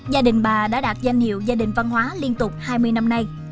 gia đình bà đã đạt danh hiệu gia đình văn hóa liên tục hai mươi năm nay